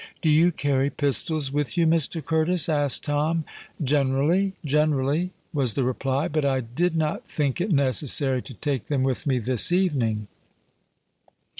"Do you carry pistols with you, Mr. Curtis?" asked Tom. "Generally—generally," was the reply. "But I did not think it necessary to take them with me this evening."